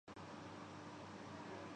کبھی اس طرف۔